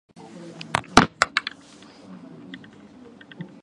千葉県白井市